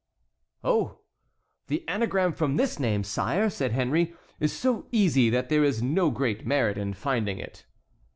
"Oh! the anagram from this name, sire," said Henry, "is so easy that there is no great merit in finding it."